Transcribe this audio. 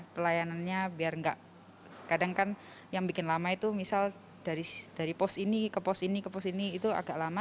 pelayanannya biar enggak kadang kan yang bikin lama itu misal dari pos ini ke pos ini ke pos ini itu agak lama